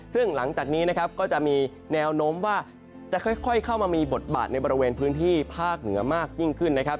ซึ่งหลังจากนี้นะครับก็จะมีแนวโน้มว่าจะค่อยเข้ามามีบทบาทในบริเวณพื้นที่ภาคเหนือมากยิ่งขึ้นนะครับ